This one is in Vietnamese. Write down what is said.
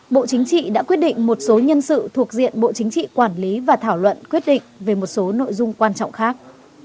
bộ chính trị đã quyết định một số nhân sự thuộc diện bộ chính trị quản lý và thảo luận quyết định về một số nội dung quan trọng khác